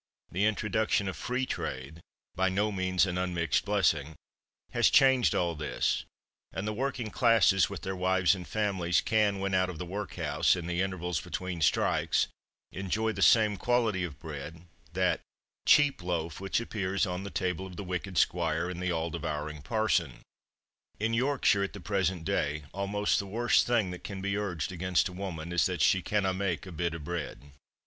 The introduction of Free Trade by no means an unmixed blessing has changed all this; and the working classes, with their wives and families, can, when out of the workhouse, in the intervals between "strikes," enjoy the same quality of bread, that "cheap loaf" which appears on the table of the wicked squire and the all devouring parson. In Yorkshire, at the present day, almost the worst thing that can be urged against a woman is that she "canna mak' a bit o' bread."